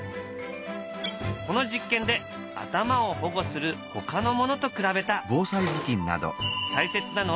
この実験で頭を保護する他のものと比べた。